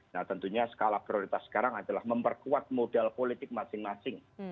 nah tentunya skala prioritas sekarang adalah memperkuat modal politik masing masing